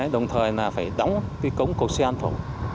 đồng thời phải đóng cống cột xe an phổ